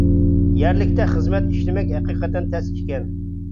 يەرلىكتە خىزمەت ئىشلىمەك ھەقىقەتەن تەس ئىكەن!